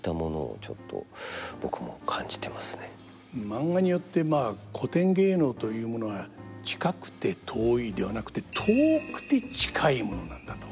マンガによってまあ古典芸能というものは近くて遠いではなくて遠くて近いものなんだと。